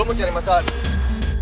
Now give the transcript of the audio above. lo mau cari masalah